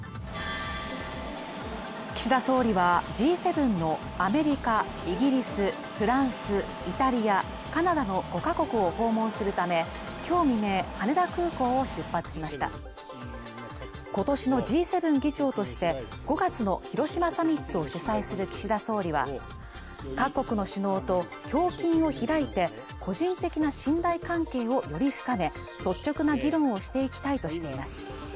岸田総理はＧ７のアメリカ、イギリス、フランスイタリア、カナダの５カ国を訪問するためきょう未明羽田空港を出発しました今年のＧ７議長として５月の広島サミットを主催する岸田総理は各国の首脳と胸襟を開いて個人的な信頼関係をより深め率直な議論をしていきたいとしています